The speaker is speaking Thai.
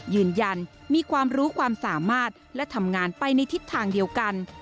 มีความรู้ความสามารถและทำงานไปในทิศทางเดียวกัน